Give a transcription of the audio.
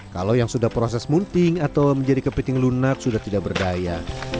kalau yang sudah proses munting atau menjadi kepiting lunak sudah tidak berdaya